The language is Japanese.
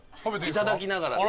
いただきながらでも。